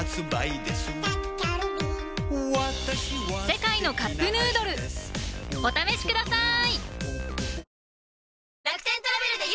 「世界のカップヌードル」お試しください！